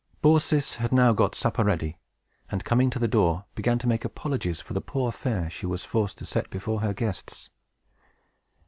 Baucis had now got supper ready, and, coming to the door, began to make apologies for the poor fare which she was forced to set before her guests.